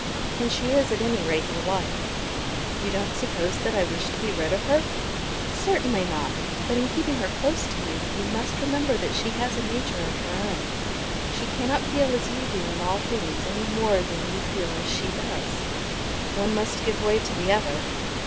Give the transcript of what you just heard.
And she is at any rate your wife." "You don't suppose that I wish to be rid of her?" "Certainly not; but in keeping her close to you you must remember that she has a nature of her own. She cannot feel as you do in all things any more than you feel as she does." "One must give way to the other."